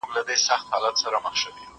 که هر څو یې کړېدی پلار له دردونو